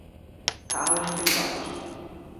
Carlos Trizoti